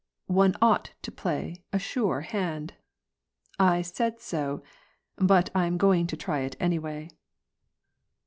One ought to play a sure hand«' I said so, but I am going to try it anyway."